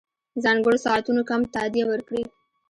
ځانګړو ساعتونو کم تادیه ورکړي.